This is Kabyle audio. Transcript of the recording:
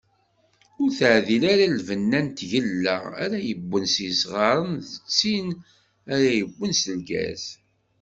Ur d-teɛdil ara lbenna n tgella ara yewwen s yisɣaren d tin ara yewwen s lgaz.